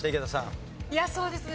いやそうですね